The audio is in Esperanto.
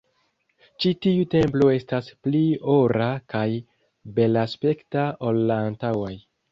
Ĉi tiu templo estas pli ora kaj belaspekta ol la antaŭaj